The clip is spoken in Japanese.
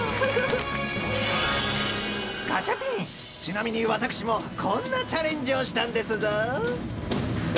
［ガチャピンちなみに私もこんなチャレンジをしたんですぞ］